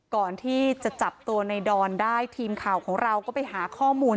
ก่อนที่จะจับตัวในดอนได้ทีมข่าวของเราก็ไปหาข้อมูล